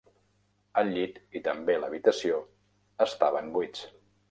El llit, i també l"habitació, estaven buits.